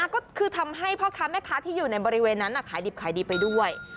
ก็คือทำให้พ่อค้าแม่ค้าที่อยู่ในบริเวณนั้นขายดิบขายดีไปด้วย